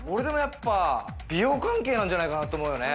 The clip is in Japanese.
美容関係なんじゃないかなと思うよね。